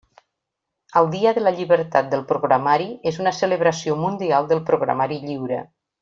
El Dia de la Llibertat del Programari és una celebració mundial del programari lliure.